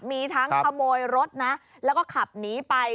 มีทั้งขโมยรถนะแล้วก็ขับหนีไป